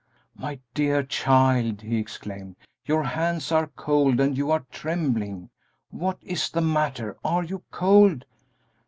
"My dear child!" he exclaimed; "your hands are cold and you are trembling! What is the matter are you cold?"